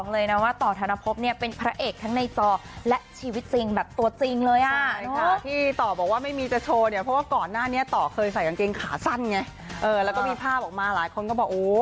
แล้วก็มีภาพออกมาหลายคนก็บอกโอ้ขาอ่อนพี่สาวจั๊วเลยนะ